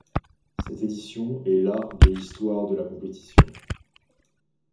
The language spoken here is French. Cette édition est la de l'histoire de la compétition.